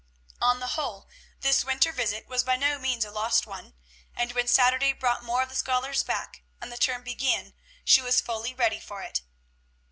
On the whole, this winter visit was by no means a lost one; and when Saturday brought more of the scholars back, and the term began, she was fully ready for it.